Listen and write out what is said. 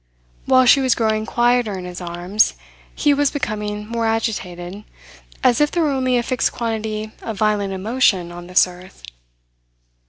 While she was growing quieter in his arms, he was becoming more agitated, as if there were only a fixed quantity of violent emotion on this earth.